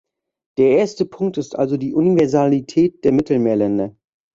Der erste Punkt ist also die Universalität der Mittelmeerländer.